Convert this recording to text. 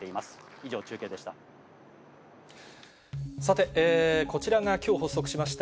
以上、中継でした。